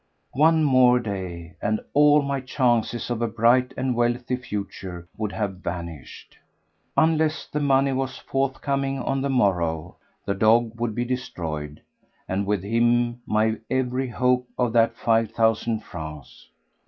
One more day and all my chances of a bright and wealthy future would have vanished. Unless the money was forthcoming on the morrow, the dog would be destroyed, and with him my every hope of that five thousand francs.